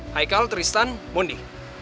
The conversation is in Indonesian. haikal tristan bondi